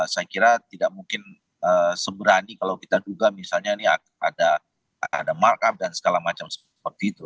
saya kira tidak mungkin seberani kalau kita duga misalnya ini ada markup dan segala macam seperti itu